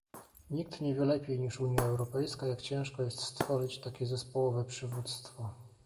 Nikt nie wie lepiej niż Unia Europejska, jak ciężko jest stworzyć takie zespołowe przywództwo